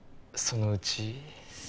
「そのうち？」